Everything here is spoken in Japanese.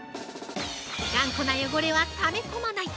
◆頑固な汚れはため込まない！